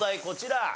こちら。